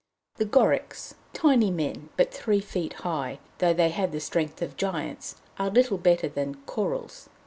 The Gorics tiny men but three feet high, though they have the strength of giants are little better than Courils.